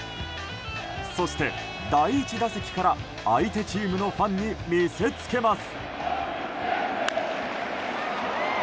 そして、第１打席から相手チームのファンに見せつけます。